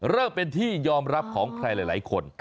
เริ่มเป็นที่ยอมรับของใครหลายคน